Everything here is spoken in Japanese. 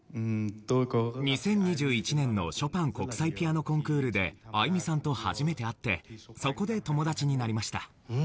２０２１年のショパン国際ピアノコンクールで愛実さんと初めて会ってそこで友達になりました。